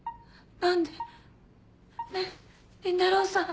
何で？